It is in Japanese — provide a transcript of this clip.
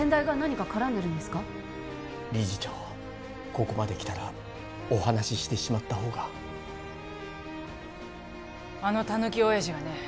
ここまできたらお話ししてしまった方があのタヌキ親父はね